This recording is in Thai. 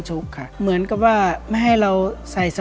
ก็พูดว่าวันนี้มีคนจะมาวางยานักมัวให้ระวังดีนะครับ